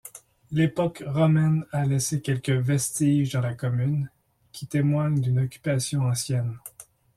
L'époque romaine a laissé quelques vestiges dans la commune, qui témoignent d'une occupation ancienne.